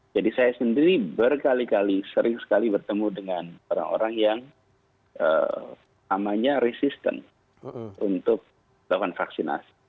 jadi saya sendiri berkali kali sering sekali bertemu dengan orang orang yang namanya resisten untuk melakukan vaksinasi